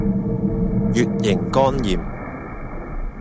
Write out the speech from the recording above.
乙型肝炎